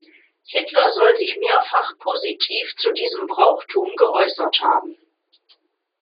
Hitler soll sich mehrfach positiv zu diesem Brauchtum geäußert haben.